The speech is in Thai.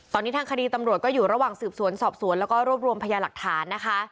ตอนนี้ทางคดีตำรวจก็อยู่ระหว่างสืบสวนสอบสวนแล้วก็รวบรวมพยาหลักฐานนะคะ